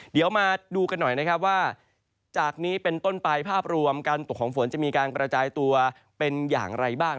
เดี๋ยวมาดูกันหน่อยนะครับว่าจากนี้เป็นต้นไปภาพรวมการตกของฝนจะมีการกระจายตัวเป็นอย่างไรบ้าง